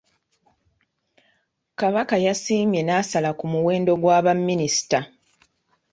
Kabaka yasiimye n'asala ku muwendo gwa baminisita.